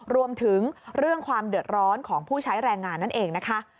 รวมถึงเรื่องความเดือดร้อนของผู้ใช้แรงงานนั่นเองนะคะ